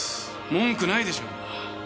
文句ないでしょうが。